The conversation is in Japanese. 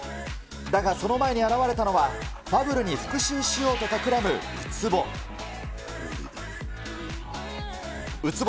だがその前に現れたのは、ファブルに復しゅうしようとたくらむ宇津帆。